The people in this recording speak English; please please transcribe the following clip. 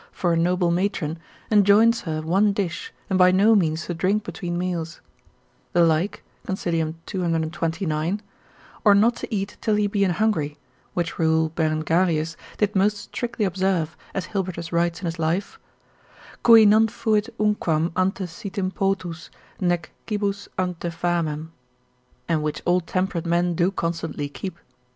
for a noble matron enjoins her one dish, and by no means to drink between meals. The like, consil. 229. or not to eat till he be an hungry, which rule Berengarius did most strictly observe, as Hilbertus, Cenomecensis Episc. writes in his life, ———cui non fuit unquam Ante sitim potus, nec cibus ante famem, and which all temperate men do constantly keep.